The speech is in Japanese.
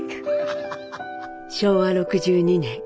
昭和６２年。